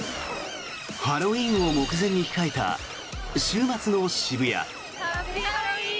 ハロウィーンを目前に控えた週末の渋谷。